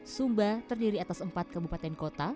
sumba terdiri atas empat kabupaten kota